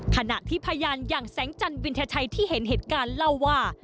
ขณะที่พยานอย่างแสงจันวินทชัยที่เห็นเหตุการณ์เล่าว่า